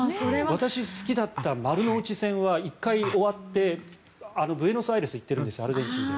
私、好きだった丸ノ内線は１回終わってブエノスアイレスに行ってるんですアルゼンチンの。